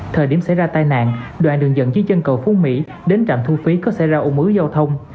thời điểm xảy ra tai nạn đoạn đường dẫn dưới chân cầu phú mỹ đến trạm thu phí có xảy ra ủng ứ giao thông